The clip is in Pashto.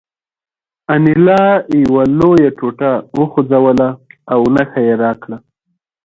انیلا یوه لویه ټوټه وخوځوله او نښه یې راکړه